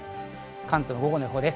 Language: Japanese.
関東の午後の予報です。